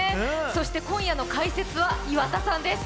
そして今夜の解説は岩田さんです。